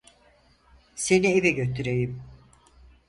Seni eve götüreyim.